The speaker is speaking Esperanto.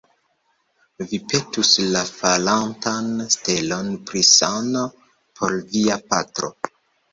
Vi petus la falantan stelon pri sano por via patro.